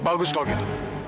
bagus kalau gitu